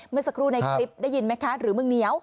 เมื่อสักครู่ในคลิปได้ยินไหมคะหรือมึงเหนียว